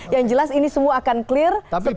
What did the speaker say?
yang jelas ini semua akan clear setelah proses